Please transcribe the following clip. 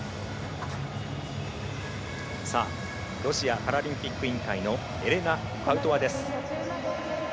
ロシアパラリンピック委員会のエレナ・パウトワです。